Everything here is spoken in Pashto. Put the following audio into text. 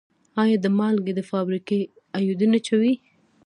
آیا د مالګې فابریکې ایوډین اچوي؟